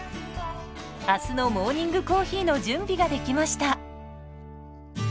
明日のモーニングコーヒーの準備ができました。